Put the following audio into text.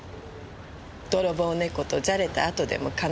泥棒猫とじゃれた後でも必ず。